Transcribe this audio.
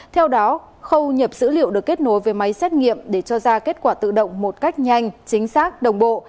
theo đó khâu nhập dữ liệu được kết nối với máy xét nghiệm để cho ra kết quả tự động một cách nhanh chính xác đồng bộ